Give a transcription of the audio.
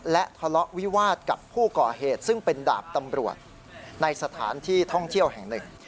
และทะเลาะวิวาสกับผู้ก่อเหตุซึ่งเป็นดาบตำรวจในสถานที่ท่องเที่ยวแห่งหนึ่ง